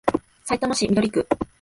さいたま市緑区